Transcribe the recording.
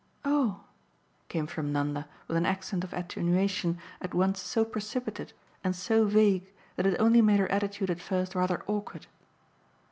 "Oh!" came from Nanda with an accent of attenuation at once so precipitate and so vague that it only made her attitude at first rather awkward.